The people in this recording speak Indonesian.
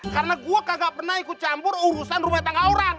karena gue kagak pernah ikut campur urusan rumah tangga orang